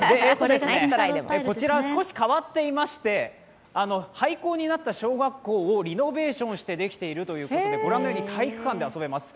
こちらは少し変わっていまして、廃校になった小学校をリノベーションしてできているということでご覧のように体育館で遊べます。